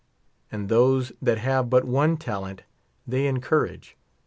And those that have but one talent, they encourage.